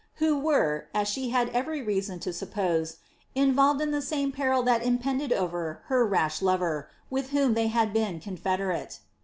Who were, as she had every reason to suppose, involved in the same peril that im pended over her rash lover, with whom they had been confederate.